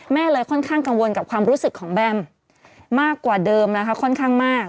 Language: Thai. เลยค่อนข้างกังวลกับความรู้สึกของแบมมากกว่าเดิมนะคะค่อนข้างมาก